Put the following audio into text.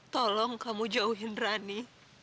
tolong kamu jauhin rani